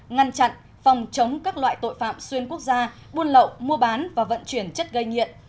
ngăn chặn phòng chống các loại tội phạm xuyên quốc gia buôn lậu mua bán và vận chuyển chất gây nghiện